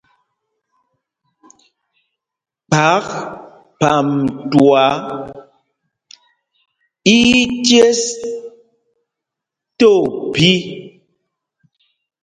Kphák Phamtuá í í cēs tí ophī.